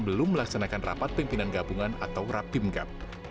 belum melaksanakan rapat pimpinan gabungan atau rapimgab